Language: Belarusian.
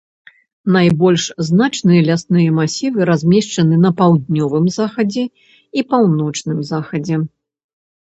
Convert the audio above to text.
Найбольш значныя лясныя масівы размешчаны на паўднёвым захадзе і паўночным захадзе.